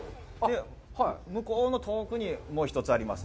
向こうの遠くにもう１つ、あります。